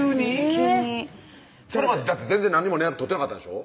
急にそれまで全然何にも連絡取ってなかったんでしょ？